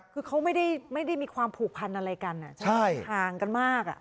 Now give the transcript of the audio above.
คือเขาไม่ได้ไม่ได้มีความผูกพันธุ์อะไรกันทางกันมาก